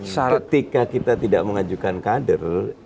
ketika kita tidak mengajukan kader